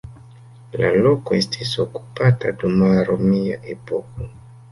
La loko estis okupata dum la romia epoko.